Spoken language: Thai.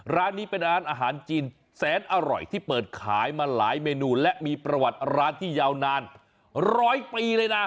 ร้านนี้เป็นร้านอาหารจีนแสนอร่อยที่เปิดขายมาหลายเมนูและมีประวัติร้านที่ยาวนานร้อยปีเลยนะ